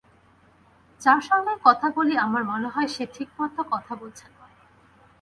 যার সঙ্গেই কথা বলি আমার মনে হয় সে ঠিকমতো কথা বলছে না।